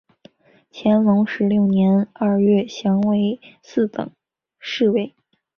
乾隆十六年二月降为四等侍卫。